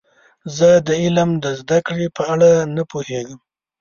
زه د علم د زده کړې په اړه نه پوهیږم.